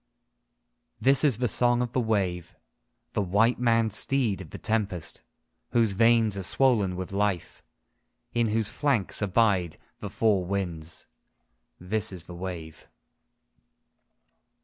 II This is the song of the wave, the white maned steed of the Tempest Whose veins are swollen with life, In whose flanks abide the four winds. This is the wave.